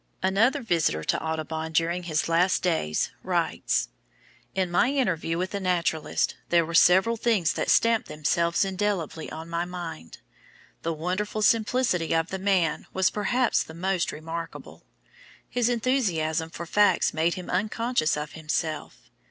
'" Another visitor to Audubon during his last days writes: "In my interview with the naturalist, there were several things that stamped themselves indelibly on my mind. The wonderful simplicity of the man was perhaps the most remarkable. His enthusiasm for facts made him unconscious of himself.